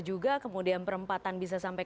juga kemudian perempatan bisa sampai